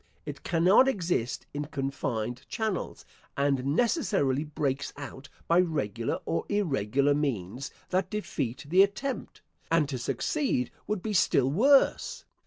It cannot exist in confined channels, and necessarily breaks out by regular or irregular means, that defeat the attempt: and to succeed would be still worse.